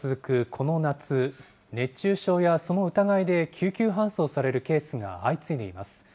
この夏、熱中症やその疑いで救急搬送されるケースが相次いでいます。